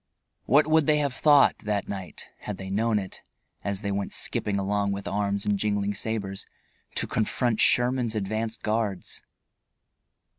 What would they have thought, that night, had they known it as they went skipping along with arms and jingling sabers, to confront Sherman's advance guards?